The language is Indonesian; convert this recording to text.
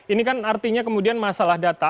ini kan artinya kemudian masalah data